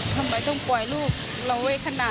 ยังไม่มีแรง